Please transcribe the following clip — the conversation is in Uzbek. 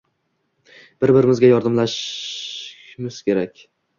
Bir-birimizga yordamlashish kerak edi.